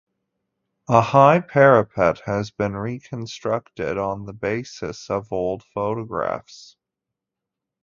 A high parapet has been reconstructed on the basis of old photographs.